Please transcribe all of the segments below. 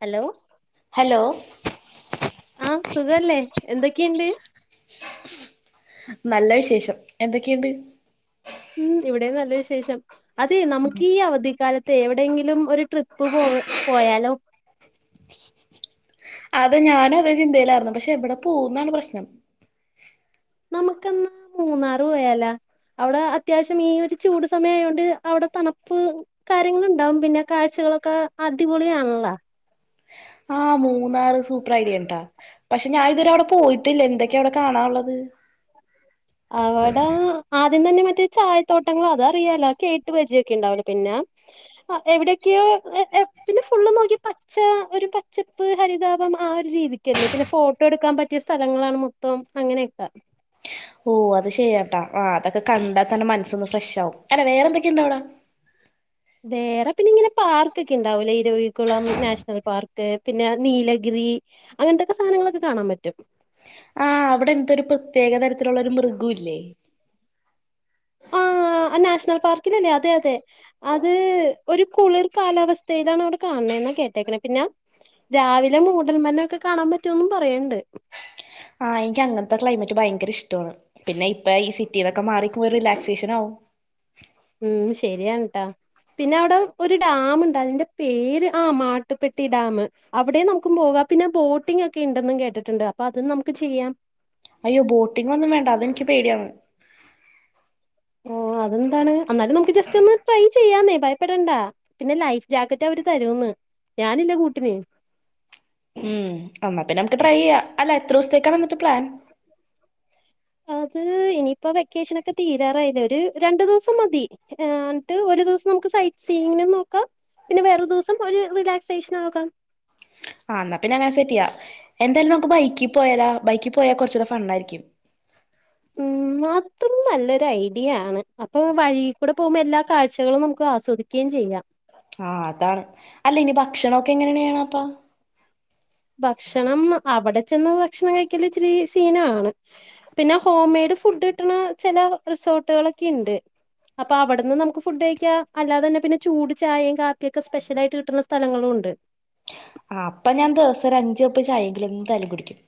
Hello hello ആഹ് സുഖവല്ലേ എന്തൊക്കെയുണ്ട് നല്ല വിശേഷം എന്തൊക്കെയുണ്ട് ഉം ഇവിടെ നല്ല വിശേഷം അതേ നമുക്ക് ഈ അവധിക്കാലത്ത് എവിടെയെങ്കിലും ഒരു ട്രിപ്പ് പോക പോയാലോ അത് ഞാനും അതേ ചിന്തയിലർന്നു. പക്ഷെ എവിടെ പോവുന്നാണ് പ്രശ്നം. നമുക്കെന്നാ മൂന്നാറ് പോയാലാ? അവിടെ അത്യാവശ്യം ഈ ഒരു ചൂട് സമയം ആയോണ്ട് അവിടെ തണുപ്പ് കാര്യങ്ങളുണ്ടാവും പിന്നെ കാഴ്ച കളൊക്കെ അടിപൊളിയാണല്ലാ. ആഹ് മൂന്നാറ് സൂപ്പർ ഐഡിയാട്ടാ. പക്ഷെ ഞാൻ ഇതുവരെ അവിടെ പോയി ട്ടില്ല. എന്തൊക്കെയാ അവിടെ കാണാനുള്ളത്. അവടെ ആദ്യം തന്നെ മ റ്റേ ചായത്തോട്ടങ്ങൾ അതറിയാലോ കേട്ട് പരിചിയൊക്കെ ഉണ്ടാവൂലേ പിന്നെ എവിടെക്കെയോ പിന്നെ ഫുള്ള് നോക്കി പച്ച ഒരു പച്ചപ്പ് ഹരിതാപം ആ ഒരു രീതിക്കല്ലേ പിന്നെ ഫോട്ടോ എടുക്കാം പറ്റിയ സ്ഥലങ്ങളാണ് മൊത്തം അങ്ങനെക്ക. ഓഹ് അത് ശരിയാട്ടാ. ആഹ് അതൊക്കെ കണ്ടാ തന്നെ മനസ്സൊന്ന് ഫ്രഷ് ആവും. അല്ല വേറെന്തൊക്കെയുണ്ട വടെ. വേറെ പിന്നെ ഇങ്ങനെ പാർക്കക്കെ ഉണ്ടാവൂല്ലേ ഇരവികുളം നാഷണൽ പാർക്ക് പിന്നെ നീലഗി- രി അങ്ങൻത്തെക്കെ സാധനങ്ങളക്കെ കാണാൻ പറ്റും ആഹ് അവിടെ എന്തൊരു പ്രത്യേക തരത്തിലൊള്ള ഒരു മൃഗവില്ലേ ആ നാഷണൽ പാർക്കിലല്ലേ അതെ അതെ അത് ഒരു കുളിർ കാലാവസ്ഥയിലാണ് അവിടെ കാണാണെന്നാ കേ ട്ടേക്കണേ പിന്നെ രാവിലെ മൂടൽ മന്നൊക്കെ ഒക്കെ കാണാൻ പറ്റുവെന്നും പറയണ്ട് ആഹ് എനിക്ക് അങ്ങത്തെ ക്ലൈമറ്റ് ഭയങ്കര ഇഷ്ടവാണ് പിന്നെ ഇപ്പ ഈ സിറ്റിന്നൊക്കെ മാറിക്കുരു റീലാക്സിയേഷനാവും. ഉം ശെരിയാണ് ട്ടാ പിന്നെ അവിടെ ഒരു ഡാമുണ്ട് അതിന്റെ പേര് ആ മാട്ടുപ്പെട്ടി ഡാമ് അവിടെം നമ്മുക്ക് പോകാ പിന്നെ ബോട്ടിംഗൊക്കെ ഇണ്ടെന്നും കേട്ടിട്ടുണ്ട് അപ്പൊ അതും നമുക്ക് ചെയ്യാം അയ്യോ ബോട്ടിങ്ങൊന്നും വേണ്ട അതെനിക്ക് പേടിയാണ് ഓഹ് അതെന്താണ് എന്നാലും നമുക്ക് ജസ്റ്റ് ഒന്ന് ട്രൈ ചെയ്യാന്നേ ഭയപ്പെടണ്ട പിന്നെ ലൈഫ് ജാക്കറ്റ് അവര് തരൂന്ന് ഞാനില്ലെ കൂട്ടിന് എന്നാപ്പിന്നെ നമക്ക് ട്രൈ ചെയ്യാം അല്ല എത്രൂസത്തേക്കാണ് എന്നിട്ട് പ്ലാൻ ആഹ് ഹ് ഇനിയിപ്പോ വെക്കേഷനൊക്കെ തീരാറായില്ലെ ഒരു രണ്ടു ദ്‌വസം മതി എന്നിട്ട് ഒരു ദിവസം നമുക്ക് സൈറ്റ് സീയിങ് നോക്കാ പിന്നെ വേറൊരു ദ് വസം ഒരു റീലാക്സേഷനോക്കാം ആഹ് എന്നാ പിന്നെ അങ്ങനെ സെറ്റ് ചെയ്യാം എന്തായാലും നമുക്ക് ബൈക്കി പോയാലൊ ബൈക്കി പോയാ കൊറച്ചൂടെ ഫൺ ആയിരിക്കും ഉം ഉം ന്നാത്തും നല്ലൊരു ഐഡി ആണ് അപ്പൊ വഴി കൂടെ പോകുമ്പോ എല്ലാ കാഴ്ചകളും നമുക്ക് ആസ്വദിക്ക്യയും ചെയ്യാം ആ പ് അതാണ് അല്ല ഇനി ഭക്ഷണൊക്കെ എങ്ങനെയാണപ്പോ ഭക്ഷണം അവടെ ചെന്ന് ഭക്ഷണം കഴിക്കൽ ഇച്ചിരി സീനാണ് പിന്നെ ഹോംമെ യ്ട് ഫുഡ് കിട്ട്ണ ചെല റിസോർട്ടുകളൊക്കെ ഇണ്ട് അപ്പൊ അവിട്ന്ന് നമുക്ക് ഫുഡ് കഴിക്കാം അല്ലാതെ തന്നെ പിന്നെ ചൂട് ചായെയും കാപ്പിയൊക്കെ സ്പെഷ്യലായിട്ട് കിട്ടുന്ന സ്ഥലങ്ങളൂണ്ട് ആഹ് അപ്പൊ ഞാൻ ദെവസം ഒരു അഞ്ച് കപ്പ്‌ ചായെങ്കിലും എന്തായാലും കുടിക്കും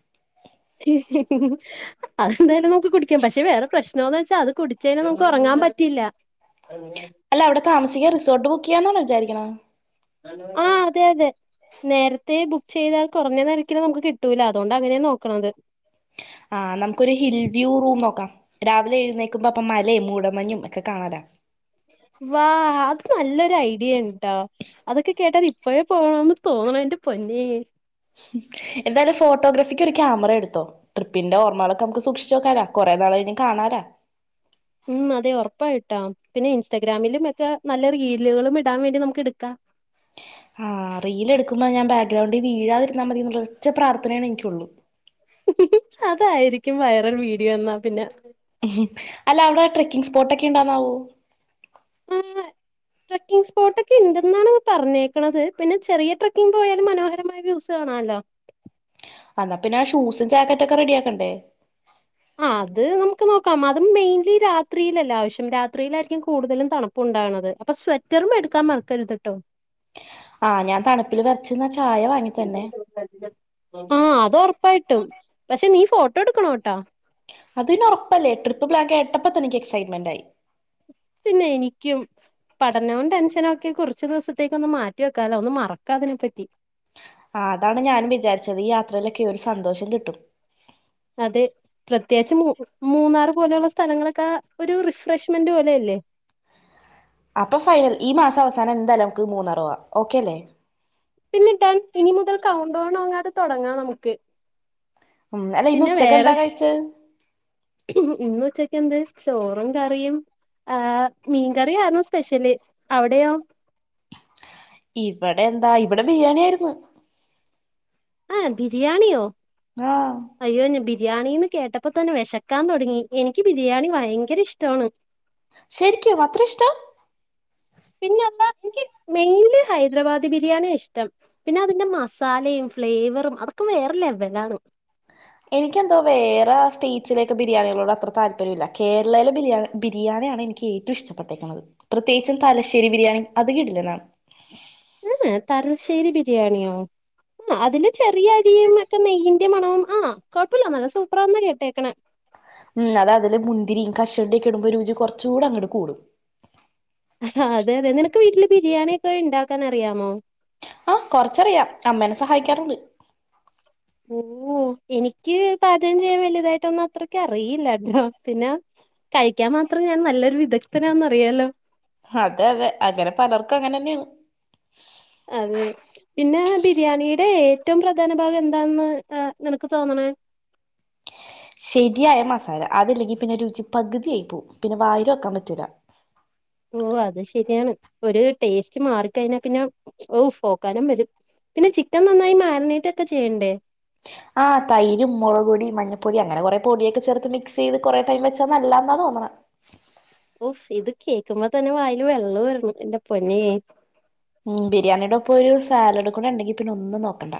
അതെന്തായാലും നമ്മക്ക് കുടിക്കാം പക്ഷെ വേറെ പ്രശ് നോവെച്ചാ അത് കുടിച്ച് കഴിഞ്ഞ നമുക്ക് ഒറങ്ങാൻ പറ്റില്ല അല്ല അവിടെ താമസിക്കാൻ റിസോർട്ട് ബുക്ക് ചെയ്യാന്നാണൊ വിചാരിക്കണെ ആ അതെ അതെ നേരത്തെ ബുക്ക് ചെയ്താൽ കുറഞ്ഞവിലയ്ക്ക് നമുക്ക് കിട്ടൂല അതോണ്ടാ അങ്ങനെ നോക്കണത് ആഹ് നമ്മുക്കൊരു ഹിൽ വ്യൂ റൂം നോക്കാം രാവിലെ എഴുന്നേക്കുമ്പോ അപ്പൊ മലയും മൂടൽമഞ്ഞും ഒക്കെ കാണാലോ വാ അത് നല്ലൊരു ഐഡിയാണട്ടോ അതൊക്കെ കേട്ടാൽ ഇപ്പോഴേ പോണംന്ന് തോന്നണ് ന്റെ പൊന്നെ എന്തായാലു ഫോട്ടോഗ്രാഫിക്ക് ഒരു ക്യാമറ എടുത്തോ ട്രിപ്പിന്റെ ഓർമ്മകളൊക്കെ നമുക്ക് സൂക്ഷിച്ച് വെക്കാലോ കുറേ നാൾ എപ്പോ വേണേ കാണാലോ [inaudible] ഉം അതെ ഉറപ്പായിട്ടാ പിന്നെ ഇൻസ്റ്റാഗ്രാമില്മറ്റേ നല്ല റീലുകളും ഇടാൻ വേണ്ടി നമുക്ക് എടുക്കാം [inaudible] ആ റീലെടുക്കുമ്പോ ഞാൻ ബാക്ക്ഗ്രൗണ്ടിൽ വീഴാതിരുന്നാ മതി എന്നുള്ളരൊറ്റ പ്രാർഥനാണ് എനിക്കുള്ളു അതായിരിക്കും വൈറൽ വീഡിയോ എന്നാ പിന്നെ അല്ല അവിടെ ട്രെക്കിങ് സ്പോട്ടൊക്കെ ഇണ്ടാന്നാവോ [unintelligible] ട്രേക്കിങ് സ്പോട്ടൊക്കെ ഇണ്ടെന്നാണ് പറഞ്ഞേക്കണത് പിന്നെ ചെറിയ ട്രക്കിങ് പോയാലും മനോഹരമായ വ്യൂസ് കാണാലൊ. [inaudible] എന്നാ പിന്നെ ആ ഷൂസും ജാക്കറ്റൊക്കെ റെഡി ആക്കണ്ടേ ആഹ് അത് നമുക്ക് നോക്കാം അത മെയിൻലി രാത്രിയിലല്ല ആവശ്യം രാത്രിയിലായിരിക്കും കൂടുതലും തണുപ്പുണ്ടാവുന്നത് അപ്പൊ സ്വെറ്ററും ഇടുക്കാം മറക്കരുത്ട്ടോ ആഹ് ഞാൻ തണുപ്പിൽ വെറച്ചുന്നാ ചായ വാങ്ങി തന്നെ ആഹ് അത് ഉറപ്പായിട്ടും പക്ഷെ നീ ഫോട്ടോ എടുക്കണോട്ടോ അത്പിന്നെ ഒറപ്പല്ലേ ട്രിപ്പ് പ്ലാൻ കേട്ടപ്പ തന്നെ ഇൻക്ക് എക്സൈറ്റ്മെന്റായി പിന്നെ എനിക്കും പഠനവും ടെൻഷനും ഒക്കെ കുറച്ച് ദെവസത്തേക്ക് ഒന്നു മാറ്റി വെക്കാല്ലോ ഒന്നു മറക്കാതിനെ പറ്റി ആ അതാണ് ഞാനും വിചാരിച്ചത് ഈ യാത്രയിലൊക്കെ ഒരു സന്തോഷം കിട്ടും അതെ പ്രത്യേകിച്ച് മൂന്നാറ് പോലെയുള്ള സ്ഥലങ്ങളൊക്കെ ഒരു റിഫ്രഷ്മെന്റ് പോലെയല്ലേ അപ്പൊ ഫൈനൽ ഈ മാസം അവസാനം എന്തായാലും നമുക്ക് മൂന്നാറ് പോകാം ഓക്കെ അല്ലേ പിന്നിട്ടൻ ഇനി മുതൽ കൗണ്ട് ഡൗൺ അങ്ങാട്ട് തുടങ്ങാം നമുക്ക് ഉം അല്ല ഇന്ന് പിന്നെ ഉച്ചക്ക് വേറെ എന്താ കഴിച്ചേ ഇന്ന് ഉച്ചക്ക് എന്ത് ചോറും കറിയും ആഹ് മീൻകറി ആരുന്നു സ്പെഷ്യല് അവിടെയോ ഇവിടെ എന്താ ഇവിടെ ബിരിയാണി ആയിരുന്നു ആഹ് ബിരിയാണിയോ ആഹ് അയ്യോ ബിരിയാണീന്ന് കേട്ടപ്പോ തന്നെ വിശക്കാൻ തുടങ്ങി എനിക്ക് ബിരിയാണി ഭയങ്കര ഇഷ്ടവാണ് ശെരിക്കും അത്ര ഇഷ്ടവാ പിന്നെന്താ എനിക്ക് മെയിൻലി ഹൈദരാബാദി ബിരിയാണി ഇഷ്ടം പിന്നെ അതിന്റെ മസാലയും ഫ്ലേവറും അതൊക്കെ വേറെ ലെവലാണ് എനിക്കെന്തോ വേറെ സ്റ്റേറ്റ്സിലൊക്കെ ബിരിയാണികളോട് അത്ര താല്പര്യമില്ല കേരളേലെ ബിരിയാണി ബിരിയാണിയാണ് എനിക്ക് ഏറ്റവും ഇഷ്ടപ്പെട്ടേക്കണത് പ്രത്യേകിച്ചും തലശ്ശേരി ബിരിയാണി അത് കിടിലനാ ഇഹ് തലശേരി ബിരിയാണിയോ ആഹ് അതിന്റെ ചെറിയ അരിയും ഒക്കെ നെയ്യീന്റെ മണവും ആഹ് കൊഴപ്പമില്ല നല്ല സൂപ്പറാന്നാ കേട്ടേക്കണെ ഉം അത് അതില് മുന്തിരിയും കശുവണ്ടിയും ഒക്കെ ഇടുമ്പോ രുചി കുറച്ചുകൂടെ അങ്ങോട്ട് കൂടും അതെ അതെ നിനക്ക് വീട്ടില് ബിരിയാണിയൊക്കെ ഉണ്ടാക്കാൻ അറിയാമോ ആഹ് കൊറച്ചറിയാം അമ്മേനെ സഹായിക്കാറുണ്ട് ഓ എനിക്ക് പാചകം ചെയ്യാൻ വലിയതായിട്ടൊന്നും അത്രക്ക് അറിയില്ലാട്ടോ പിന്നെ കഴിക്കാൻ മാത്രം ഞാൻ നല്ലൊരു വിദഗ്ദ്ധനാന്ന്‌ അറിയാലോ അതെ അതെ അങ്ങനെ പലർക്കും അങ്ങനെ തന്നെയാണ് അതെ പിന്നെ ബിരിയാണിടെ ഏറ്റവും പ്രധാന ഭാഗം എന്താന്ന് നിനക്ക് തോന്ന്ണ് ശെരിയായ മസാല അതല്ലെങ്കി പിന്നെ രുചി പകുതിയായി പോവും പിന്നെ വായില് വെക്കാൻ പറ്റൂല ഓ അത് ശെരിയാണ് ഒരു ടേസ്റ്റ് മാറിക്കഴിഞ്ഞാ പിന്നെ ഓഫ് ഓക്കാനം വെരും പിന്നെ ചിക്കൻ നന്നായി മാഗ്നേറ്റൊക്കെ ചെയ്യണ്ടേ ആ തൈരും മൊളകുപൊടിയും മഞ്ഞപ്പൊടി അങ്ങനെ കൊറെ പൊടിയൊക്കെ ചേർത്ത് മിക്സ് ചെയ്ത് കൊറെ ടൈം വെച്ചാ നല്ലാന്നാ പ - [unintelligible] ഓഫ് ഇത് കേൾക്കുമ്പോ തന്നെ വായില് വെള്ളം ഊര്ണ് എന്റെ പൊന്നേ ഉം ബിരിയാണിയുടെ ഒപ്പൊരു സാലഡും കൂടെ ഉണ്ടെങ്കി പിന്നെ ഒന്നും നോക്കണ്ട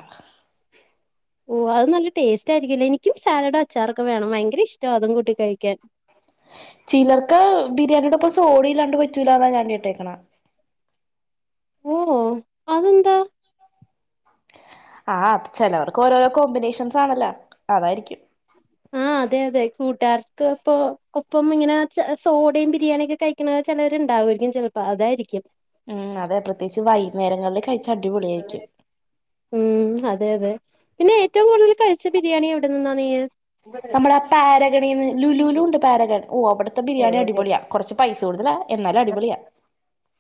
ഓ അത് നല്ല ടേസ്റ്റായിരിക്കൊല്ലേ എനിക്കും സാലഡും അച്ചാറൊക്കെ വേണം ഭയങ്കര ഇഷ്ട അതും കൂട്ടി കഴിക്കാൻ ചിലർക്ക് ബിരിയാണിയുടൊപ്പം സോഡ ഇല്ലാണ്ട് പറ്റൂല എന്നാ ഞാൻ കേട്ടേക്കണെ ഓ അതെന്താ ആഹ് ചെലവർക്ക് ഓരോരോ കോമ്പിനേഷൻസാണല്ലോ അതായിരിക്കും അതെയതെ കൂട്ടാർക്ക് ഒപ്പോ ഒപ്പംങ്ങനെ സോഡയും ബിരിയാണിയൊക്കെ കഴിക്കണ ചെലര്ണ്ടാവും ര് ക്കും ചെലപ്പോ അതായിരിക്കും ഉം അതെ പ്രത്യേകിച്ച് വൈകുന്നേരങ്ങളിൽ കഴിച്ചാ അടിപൊളി ആയിരിക്കും ഉം അതെ അതെ പിന്നെ ഏറ്റവും കൂടുതൽ കഴിച്ച ബിരിയാണി എവിടെന്നാ നീയ് നമ്മുടെ ആ പാരഗണിന്ന് ലുലുലും ണ്ട് പാരഗൺ ഓഹ് അവിടുത്തെ ബിരിയാണി നീ അടിപൊളിയാ കൊർച്ച് പൈസ കൂടുതലാ എന്നാലും അടിപൊളിയാ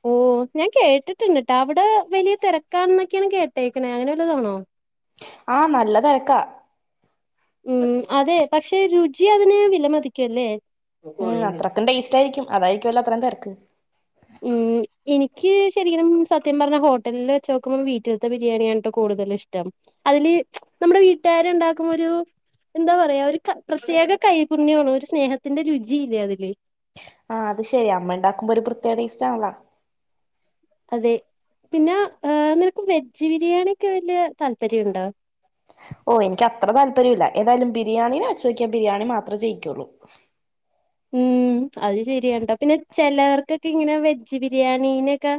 ഓ ഞാൻ കേട്ടിട്ട് കേട്ടാ അവിടെ വലിയ തിരക്കാണ എന്നൊക്കെയാണ് കേട്ടേക്കണെ അങ്ങനെ ഉള്ളതാണോ ആഹ നല്ല തിരക്കാ ഉം അതെ പക്ഷെ രുചി അതിനെ വില മതിക്കുംല്ലേ ഉം അത്രക്കും ടേസ്റ്റയിയിരിക്കും അതായിരിക്കുംല്ലോ അത്രയും തിരക്ക് ഉം ഉം എനിക്ക് ശരിക്കും സത്യം പറഞ്ഞ ഹോട്ടലിൽ വെച്ച് നോക്കുമ്പോൾ വീട്ടിലത്തെ ബിരിയാണിയാണ്ട്ടോ കൂടുതൽ ഇഷ്ടം അതില് നമ്മുടെ വീട്ടുകാരെ ഉണ്ടാക്കുമ്പോ ഒരു ഒരു എന്താ പറയാ ഒരു പ്രത്യേക കൈപുണ്യണോ ഒരു സ്നേഹത്തിന്റെ രുചിയില്ലേ അതില് ആഹ് അത് ശെരി അമ്മ ഉണ്ടാക്കുമ്പോ ഒരു പ്രത്യേക ഇഷ്ടണല്ലോ അതെ പിന്നെ നിനക്ക് വെജ് ബിരിയാണി ഒക്കെ വല്യ താല്പര്യംണ്ടോ [unintelligible] ഓ എനിക്ക് അത്ര താല്പര്യം ഇില്ല ഏതായാലും ബിരിയാണി അ ചോയ്ക്കാൻ ബിരിയാണി മാത്രേ ജയിക്കുള്ളൂ ഉം അത് ശരിയണ്ടോ പിന്നെ ചെിലവർക്കൊക്കെ ഇങ്ങനെ വെജ് ബിരിയാണീനൊക്കെ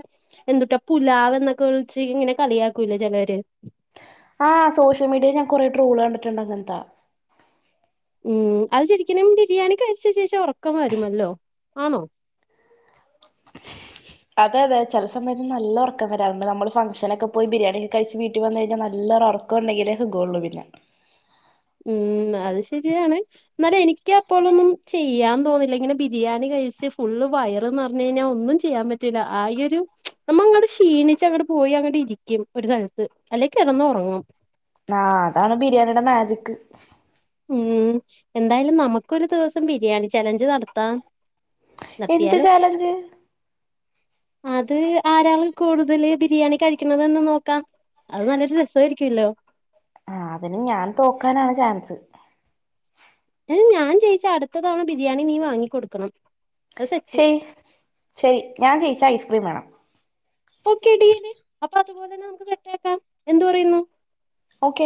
എന്തുട്ടാ പുലാവ് എന്നൊക്കെ വിളിച്ച് ഇങ്ങനെ കളിയാക്കൂല ചിലര് ആഹ് സോഷ്യൽ മീഡിയൽ ഞാൻ കൊറെേ ട്രോള് കണ്ടിട്ടുണ്ടണ്ട് അങ്ങനത്താ ഉം അത് ശരിക്കും ബിരിയാണി കഴിച്ച ശേഷം ഉറക്കം വരുമല്ലോ ആണോ [unintelligible] അതെ അതെ ചില സമയത്ത് നല്ല ഉറക്കം വരാണ്ട് നമ്മള് ഫാൻക്ഷൻ നൊക്കെ പോയി ബിരിയാണിൊക്ക കഴച്ച് വീട്ടിൽ വന്നു കഴിഞ്ഞാൽ നല്ല എല്ല ഉറക്കം ഉണ്ടെങ്കിലെ സുഖള്ളു പിന്നെ [unintelligible] ഉം അത് ശരിയാണ് എന്നാല എനിക്ക് അപ്പോഴൊന്നും ചെയ്യാൻ തോന്നില്ല ഇങ്ങനെ ബിരിയാണി ഫുള്ള് വയർനിറഞ്ഞു കഴിഞ്ഞാൽ ഒന്നും ചെയ്യാൻ പറ്റില്ല ആകെ ഒരു നമ്മ അങ്ങടെ ക്ഷീണിച്ച അങ്ങടെ പോയി അങ്ങടെ ഇരിക്കും ഒരു സ്ഥലത്ത് അല്ലെക്ക് ഇിറന്ന് ഉറങ്ങും ആഹ അതാണ് ബിരിയാണിയുടെ മാജിക് ഉം എന്തായാലും നമുക്കൊരു ദിവസം ബിരിയാണി ചലഞ്ച് നടത്താം എന്ത് നടത്തിയാലോ ചാലഞ്ച് അത് ആരാള് കൂടുതല് ബിരിയാണി കഴിക്കണതന്ന് നോക്കാം അത് നല്ലൊരു രസമായിരിക്കുമല്ലോ ആ അതിന് ഞാൻ തോക്കാനാണ് ചാൻസ് അ ഞാൻ ജയിച്ച അടുത്ത തവണ ബിരിയാണി നീ വാങ്ങിക്കൊടുക്കണം അത് സെറ്റ് ശരി ശരി ഞാൻ ജയിച്ച ഐസ്ക്രീം വേണം ഓക്കെ ഡീൽ അപ്പൊ അതുപോലെന്നെ നമ സെറ്റാകം എന്ത് പറയുന്നു ഓക്കെ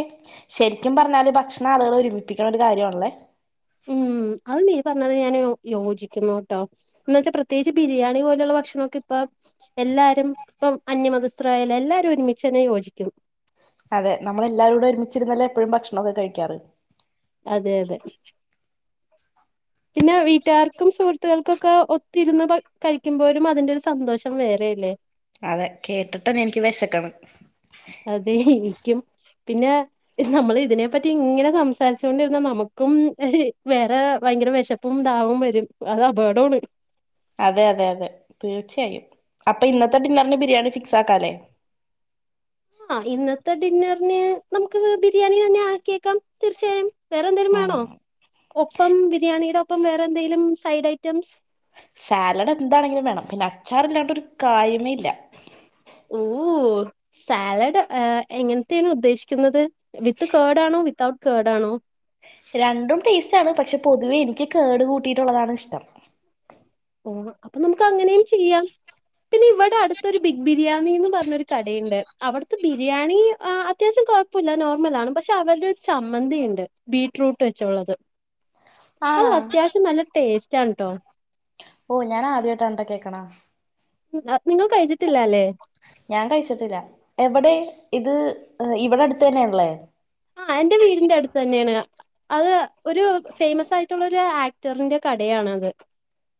ശരിക്കും പറഞ്ഞാല് ഭക്ഷണ ആളുകൾ ഒരുമിപ്പിക്കണ ഒരു കാര്യമാണല്ലേ ഉം അത് നീ പറന്നത് ഞാൻ യോജിക്കുന്നു കേട്ടോ എന്നന്ന് വെച്ചാ പ്രത്യേകിച്ച് ബിരിയാണി പോലെയുള്ള ഭക്ഷണൊക്കെ ഇപ്പ എല്ലാരും ഇപ്പം അന്യമതസ്ഥായല്ല എല്ലാരും ഒരുമിച്ചച്ച്നെ യോജിക്കും അതെ നമ്മള എല്ലാരും കട ഒരുമിച്ചിരുന്നല്ലേ എപ്പോഴും ഭക്ഷണൊക്കെ കഴിക്കാറ് അതെ അതെ പിന്നെ വീട്ടുകാർക്കും സുഹൃത്തുക്കൾക്കും ഒക്കെ ഒത്തിരുന്ന് കഴിക്കുമ്പോഴും അതിന്റെ ഒരു സന്തോഷം വേറെ ഇല്ലേ അതെ കേട്ടിട്ടന്നെ എനിക്ക് വിശക്കാണ് അതെ എനിക്കും പിന്നെ നമ്മൾ ഇതിനെ പറ്റി ഇങ്ങനെ സംസാരിച്ചൊണ്ടിരുന്ന നമുക്കും വേറെ ഭയങ്കര വിശപ്പും ദാഹവും വരും അത് അപകടമാണ് അതെ അതെ അതെ തീർച്ചയായും അപ്പൊ ഇന്നത്തെ ഡിന്നറിന് ബിരിയാണി ഫിക്സ് ആക്കാലേ ആ ഇന്നത്തെ ഡിന്നറിന് നമുക്ക് ബിരിയാണി തന്നെ ആക്കിയേക്കാം തീർച്ചയായും വേറെ എന്തെങ്കിലും വേണോ ആഹ് ഒപ്പം ബിരിയാണിയുടെ ഒപ്പം വേറെന്തെങ്കിലും സൈഡ് ഐറ്റംസ് സാലഡ് എന്താണെങ്കിലും വേണം പിന്നെ അച്ചാറ ഇല്ലാണ്ട്രു കായമ ഇല്ല ഓ ഓ സാലഡ്എങ്ങനത്തെയാണ് ഉദ്ദേശിക്കുന്നത് വിത്ത് കേഡ് ആണോ വിതഔട്ട് കേഡ് ആണോ ഉ രണ്ടും ടേസ്റ്റ് ആണ് പക്ഷെ പൊതുവേ എനിക്ക് കേട് കൂട്ടിയിട്ടുള്ളതാണ് ഇഷ്ടം ഓ അപ്പൊ നമുക്ക് അങ്ങനെയും ചെയ്യാം പിന്നെ ഇവിടെ അടുത്തൊരു ബിഗ് ബിരിയാണിന്ന് പറഞ്ഞൊരു കടയുണ്ട് അവിടുത്തെ ബിരിയാണി അത്യാവശ്യം കുഴപ്പമില്ല നോർമൽണ് പക്ഷെ അവരുടെരു സമ്മന്തിുണ്ട് ബീറ്റ്റൂട്ട് വെച്ചുള്ളത് അത് ആണാ അത്യാവശ്യം നല്ല ടേസ്റ്റ് ആണ്ട്ടോ ഓ ഞാൻ ആദ്യമായിട്ട് രണ്ട കേക്കണ ഉ നിങ്ങ കഴിച്ചിട്ടില്ല അല്ലേ ഞാൻ കഴിച്ചിട്ടില്ല എവിടെ ഇത് ഇവിടെ അടുത്ത് തന്നെയല്ലേ ആഹ എറെ വീടിന്റെ അടുത്ത് തന്നെയാണ് അത് ഒരു ഫേമസ് ആയിട്ടുള്ള ഒരു ആക്ടറിന്റെ കടയാാണ്ത്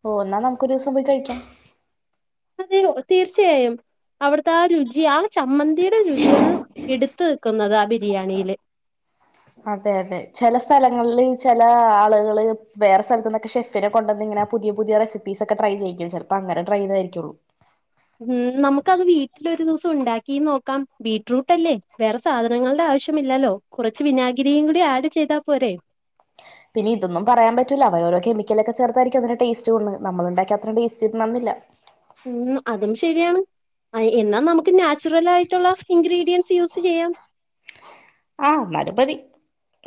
ഓ എന്നാൽ നമുക്ക്ൊരു ദിവസം പോയി കഴിക്കാം അതെയ തീർച്ചയായും അവിടുത്തെ ആ രുചി ആ ചമ്മന്തിയുടെ രുചിയാണ് എടുത്ത നിക്കുന്നത് ആ ബിരിയാണിയില് [inaudible] അതെ അതെ ചില സ്ഥലങ്ങളില്ിൽ ചില ആളുകള് വേറെ സ്ഥലത്ത നിന്നൊക്കെ ഷെഫിനെ കൊണ്ടന്ന ഇങ്ങനെ ാ പുതിയ പുതിയ റെസിപ്പീ ഒക്കെ ടൈ ചെയ്യും ചപ്പോ അങ്ങനെടൈ ചെയ്തായിരിക്കുള്ളൂ ഉം നമുക്കത് വീട്ടില ഒരു ദിവസം ഉണ്ടാക്കി നോക്കാം ബീടറൂട്ട് അല്ലേ വേറെ സാധനങ്ങളുടെ ആവശ്യമില്ലല്ലോ കുറച്ച് വിനാഗിരിയും കൂടി ആഡ് ചെയ്താ പോരെേ പിന്നെ ഇൊന്നും പറയാൻ പറ്റില്ല അവ ഓോെിക്കലൊക്കെ ചേർത്തായിരിക്കും അതിന്റെ ടേറ്റ്ണ് നമ്മളണ്ടാക്കി അത്ര ടേസ്റ്റ്ിില്ല ഇല്ല ഉം അതും ശരിയാണ് എന്നാ നമുക്ക് നാച്ചുറൽ ആയിട്ടുള്ള ഇൻഗ്രീഡിയൻറ്സ് യൂസ് ചെയ്യാം ആഹ് എന്നാലും മതി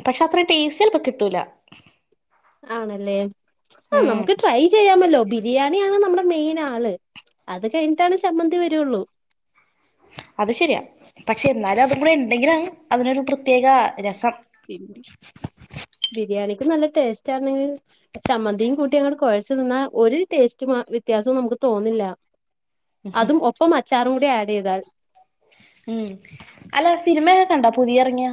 പക്ഷെ അത്ര ടേസി ചല്പ്പോ കിട്ടൂല ആണല്ലേ ആ ഉം നമുക്ക് ട്രൈ ചെയ്യാമല്ലോ ബിരിയാണിയാണ് നമ്മുടെ മെയിൻ ആള് അത് കഴിഞ്ഞിട്ടാണ് സമ്മന്തി വരുുള്ളു അത് ശരിയാ പക്ഷെ എന്നാലും അതും കൂടെ ഉണ്ടെങ്കിലും അതിനൊരു പ്രത്യേക രസം പി ബിരിയാണി നല്ല ടേസ്റ്റ് ആണെങ്കിൽ ചമ്മന്തിയും കൂട്ടി അഞ കുഴച്ചു നിന്നാൽ ഒരു ടേസ്റ്റ് വ്യത്യാസവും നമുക്ക് തോന്നില്ല അതും ഒപ്പം അച്ചാറും കൂടി ആഡ് ചെയ്താൽ ഉം അല്ല സിനിമൊക്കെ കണ്ടാ പുതിയ ഇറങ്ങിയാ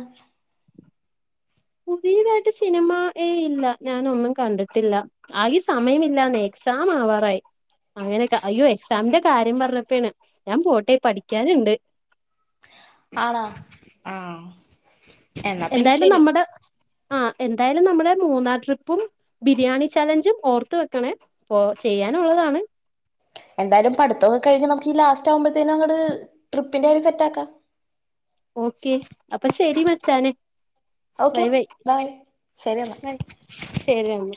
പുതിയതായിട്ട് സിനിമ ഇല്ല ഞാനൊന്നും കണ്ടിട്ടില്ല ആകെ സമയമില്ല നേ സാമ വറായ അങ്ങനെയൊക്കെ അയ്യോ എക്സാമിന്റെ കാര്യം പറഞ്ഞപ്പോാണ് ഞാൻ പോട്ടെ പഠിക്കാനുണ്ട് [inaudible] ആണോ ആഹ എന്നാ പിന്നെ ശരി ആ എന്തായാലും നമ്മുടെ മൂന്നാംർ ട്രിപ്പും ബിരിയാണി ചലഞ്ചും ഓർത്ത് വെക്കണേ ഇപ്പ ചെയ്യ ചെയാനുള്ളതാണ് എന്തായാലും പഠിംൊക്കെ കഴിഞ്ഞ് നമുക്ക് ലാസ്റ്റ് ആകുമ്പോഴത്തേനും അ ട്രിപ്പിന്റെ കാര്യം സെറ്റ് ആക്കാം ഓക്കെ അപ്പൊ ശരി വച്ചാനെ ബൈ ഓക്കെ ബൈൈ ബൈ ശരി എന്നാ ശരി അമ്മ